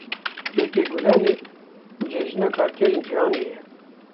Yekê Gulanê Cejina Karkerên Cîhanê ye.